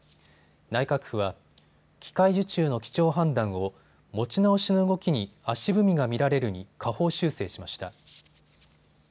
内閣府は機械受注の基調判断を持ち直しの動きに足踏みが見られるに下方修正しました。